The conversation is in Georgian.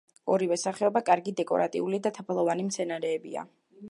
ორივე სახეობა კარგი დეკორატიული და თაფლოვანი მცენარეა.